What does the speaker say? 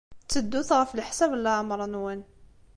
Tteddut ɣef leḥsab n leɛmeṛ-nwen.